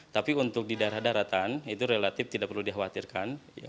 tapi untuk di daerah daratan itu relatif tidak perlu dikhawatirkan